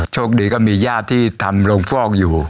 โชคดีก็มีญาติที่ทำโรงฟอกอยู่